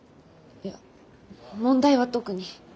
いや問題は特に。